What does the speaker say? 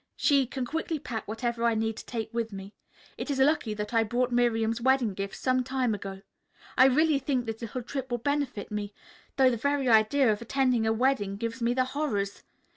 She can quickly pack whatever I need to take with me. It is lucky that I bought Miriam's wedding gift some time ago. I really think this little trip will benefit me, though the very idea of attending a wedding gives me the horrors.